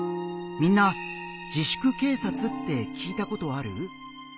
みんな「自粛警察」って聞いたことある？